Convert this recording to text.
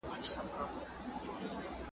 که دا وطن وای د مېړنیو .